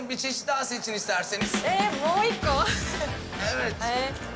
え、もう１個？